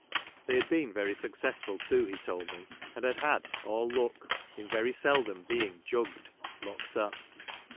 They had been very successful too, ho told me, and had had " all luck " in very seldom being "jugged" (locked up).